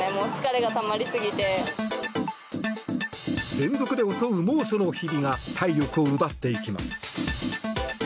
連続で襲う猛暑の日々が体力を奪っていきます。